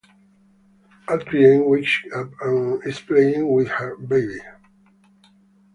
Adrienne wakes up and is playing with her baby.